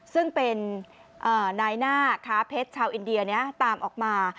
ซึ่งเป็นนายหน้าค้าเพชรชาวอินเดียตามออกมา